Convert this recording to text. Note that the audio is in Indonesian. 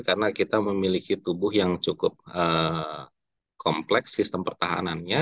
karena kita memiliki tubuh yang cukup kompleks sistem pertahanannya